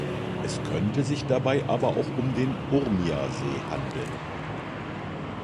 Es könnte sich dabei aber auch um den Urmia-See handeln.